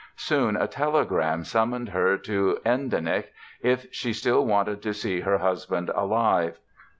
Soon a telegram summoned her to Endenich "if she still wanted to see her husband alive".